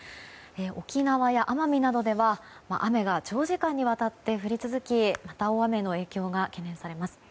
沖縄や奄美などでは雨が長時間にわたって降り続きまた大雨の影響が懸念されます。